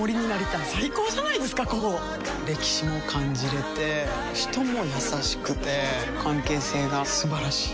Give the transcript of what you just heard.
歴史も感じれて人も優しくて関係性が素晴らしい。